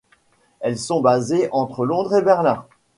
Elles sont basées entre Londres et Berlin.